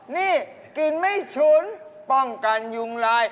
นี่กลิ่นไม่ฉุนป้องกันยุงลาย